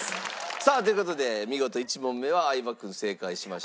さあという事で見事１問目は相葉君正解しました。